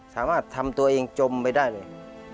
สามารถทำตัวเองจมไปได้เลย